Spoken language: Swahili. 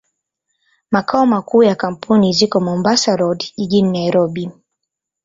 Makao makuu ya kampuni ziko Mombasa Road, jijini Nairobi.